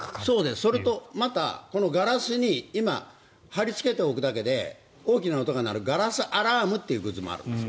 それとまた、このガラスに貼り付けておくだけで大きな音が鳴るガラスアラームというのもあるんですよ。